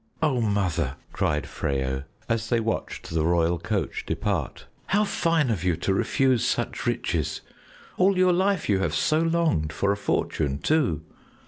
"Oh, Mother!" cried Freyo, as they watched the royal coach depart. "How fine of you to refuse such riches! All your life you have so longed for a fortune, too!"